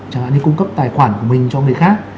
chẳng hạn như cung cấp tài khoản của mình cho người khác